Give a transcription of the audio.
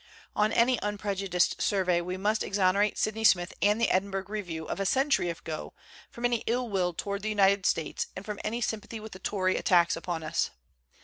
On any unprejudiced survey we must exon erate Sydney Smith and the Edinburgh Review of a century ago from any ill will toward the United States and from any sympathy with the Tory attacks upon us.